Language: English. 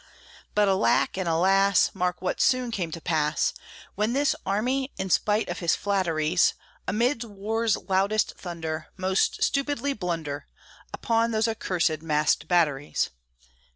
But alack! and alas! Mark what soon came to pass, When this army, in spite of his flatteries, Amid war's loudest thunder, Must stupidly blunder Upon those accursed "masked batteries."